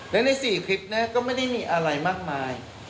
และใน๔คลิปก็ไม่ได้มีอะไรมากมาย